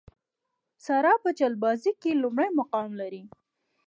ساره په چلبازۍ کې لومړی مقام لري.